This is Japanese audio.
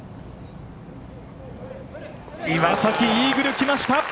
岩崎、イーグルきました。